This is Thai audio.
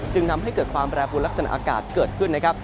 จึงทำให้เกิดความแปรปวนลักษณะอากาศเกิดขึ้นนะครับ